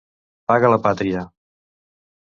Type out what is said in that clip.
Paga la Pàtria!